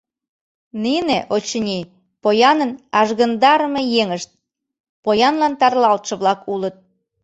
Нине, очыни, поянын ажгындарыме еҥышт, поянлан тарлалтше-влак улыт.